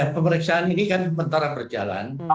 pemeriksaan ini kan sementara berjalan